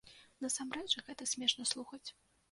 Насамрэч гэта смешна слухаць.